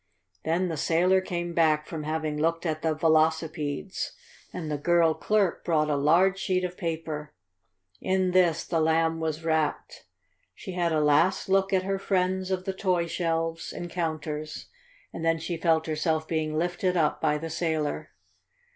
Then the sailor came back from having looked at the velocipedes, and the girl clerk brought a large sheet of paper. In this the Lamb was wrapped. She had a last look at her friends of the toy shelves and counters, and then she felt herself being lifted up by the sailor.